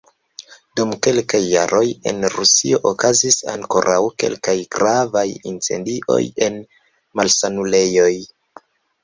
Dum kelkaj jaroj en Rusio okazis ankoraŭ kelkaj gravaj incendioj en malsanulejoj.